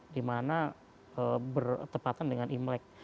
dimana bertepatan dengan imlek